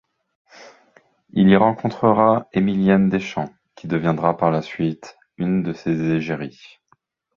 Il y rencontrera Émilenne Deschamps, qui deviendra par la suite une de ses égéries.